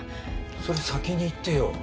それ先に言ってよ。